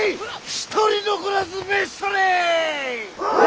一人残らず召し捕れい！